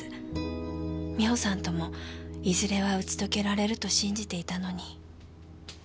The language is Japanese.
美帆さんともいずれは打ち解けられると信じていたのに。